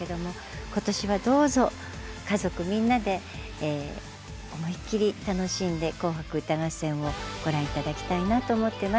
今年はどうぞ家族みんなで思い切り楽しんで「紅白歌合戦」をご覧いただきたいと思います。